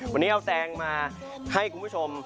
วันนี้เอาแซงมาให้คุณผู้ชม